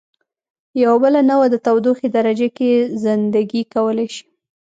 یوه بله نوعه د تودوخې درجې کې زنده ګي کولای شي.